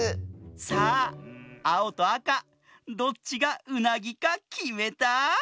さああおとあかどっちがうなぎかきめた？